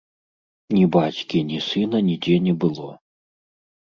Ні бацькі, ні сына нідзе не было.